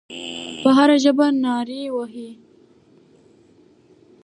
په هره ژبه نارې وهي.